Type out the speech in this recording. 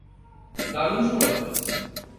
দারুণ সময় কাটাচ্ছি।